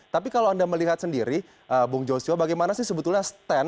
tapi kalau anda melihat sendiri bung joshua bagaimana sih sebetulnya stand